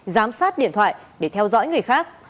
giám sát điện thoại để theo dõi người khác